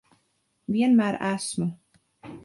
Vienmēr esmu.